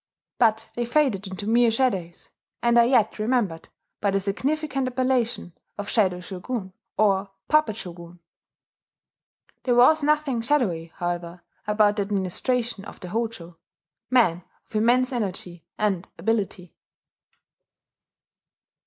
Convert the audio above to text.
But they faded into mere shadows, and are yet remembered by the significant appellation of "Shadow Shogun," or "Puppet Shogun." There was nothing shadowy, however, about the administration of the Hojo, men of immense energy and ability.